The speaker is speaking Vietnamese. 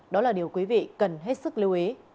đó là điều quý vị cần hết sức lưu ý